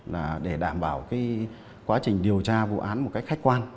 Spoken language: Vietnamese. là để đảm bảo cái quá trình điều tra vụ án một cách khách quan